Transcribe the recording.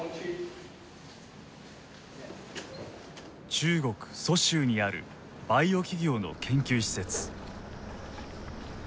中国・蘇州にあるバイオ企業の研究施設。